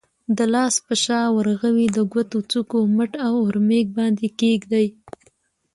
د لاس په شا، ورغوي، د ګوتو څوکو، مټ او اورمیږ باندې کېږدئ.